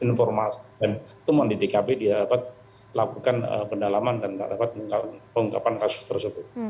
informasi dan semua di tkp dia dapat lakukan pendalaman dan dapat mengungkapkan kasus tersebut